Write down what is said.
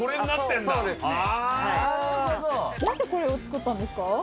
なぜこれを作ったんですか？